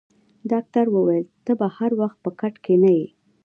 ډاکټر وویل: ته به هر وخت په کټ کې نه یې.